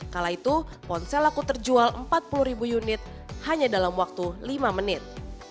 kala itu ponsel laku terjual empat puluh ribu unit hanya dalam waktu lima menit